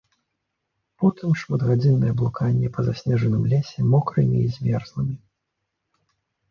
Потым шматгадзіннае блуканне па заснежаным лесе мокрымі і змерзлымі.